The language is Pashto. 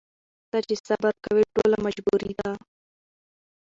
ته چي صبر کوې ټوله مجبوري ده